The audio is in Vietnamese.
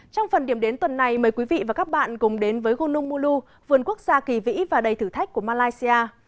trong phần điểm đến tuần này mời quý vị và các bạn cùng đến với gonum mu vườn quốc gia kỳ vĩ và đầy thử thách của malaysia